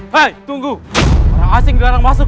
hai tunggu orang asing jarang masuk